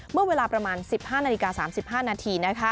เมื่อเวลาประมาณ๑๕นาฬิกา๓๕นาที